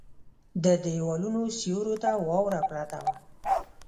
د ديوالونو سيورو ته واوره پرته وه.